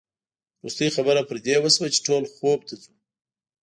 وروستۍ خبره پر دې وشوه چې ټول خوب ته ځو.